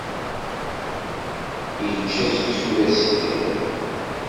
Ičča seksu d asgal.